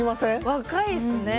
若いっすね。